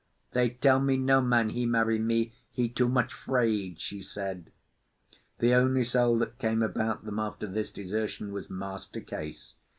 "They tell me no man he marry me. He too much 'fraid," she said. The only soul that came about them after this desertion was Master Case.